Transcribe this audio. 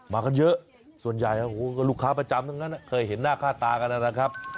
มากันเยอะส่วนใหญ่ก็ลูกค้าประจำทั้งนั้นเคยเห็นหน้าค่าตากันนะครับ